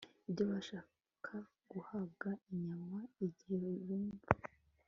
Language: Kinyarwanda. ibyo babasha guhabwa inyama igihe bumva